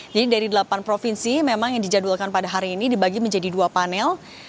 jadi dari delapan provinsi memang yang dijadwalkan pada hari ini dibagi menjadi dua panel